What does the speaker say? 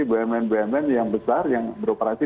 bumn bumn yang besar yang beroperasi